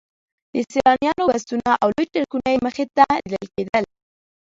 د سیلانیانو بسونه او لوی ټرکونه یې مخې ته لیدل کېدل.